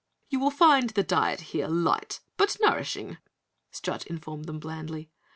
"You will find the diet here light, but nourishing," Strut informed them blandly.